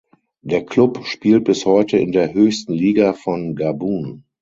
Der Klub spielt bis heute in der höchsten Liga von Gabun.